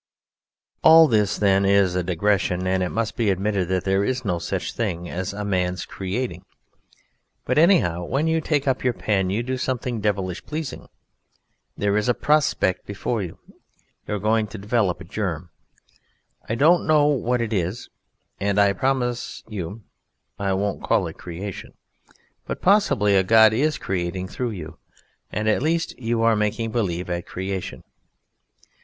All this, then, is a digression, and it must be admitted that there is no such thing as a man's "creating". But anyhow, when you take up your pen you do something devilish pleasing: there is a prospect before you. You are going to develop a germ: I don't know what it is, and I promise you I won't call it creation but possibly a god is creating through you, and at least you are making believe at creation.